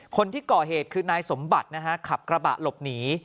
คนที่ก่อเหตุคือนายสมบัตินะฮะขับกระบะหลบหนี